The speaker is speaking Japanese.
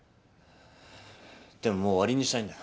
でももう終わりにしたいんだ。